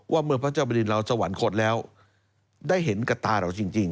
ว่าเมื่อพระเจ้าบริณเราสวรรคตแล้วได้เห็นกับตาเราจริง